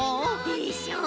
でしょ！